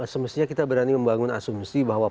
semestinya kita berani membangun asumsi bahwa